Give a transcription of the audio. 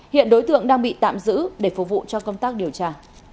hiện đối tượng đang bị tạm giữ để phục vụ cho công tác điều tra